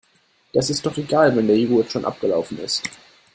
Das ist doch egal, wenn der Joghurt schon abgelaufen ist.